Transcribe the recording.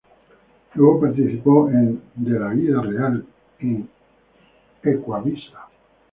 Luego participó en "De la Vida Real" en Ecuavisa.